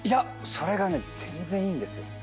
それがね全然いいんですよ。